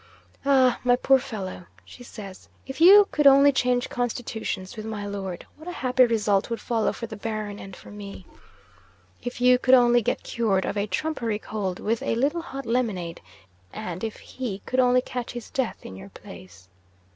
"Ah! my poor fellow," she says, "if you could only change constitutions with my Lord, what a happy result would follow for the Baron and for me! If you could only get cured of a trumpery cold with a little hot lemonade, and if he could only catch his death in your place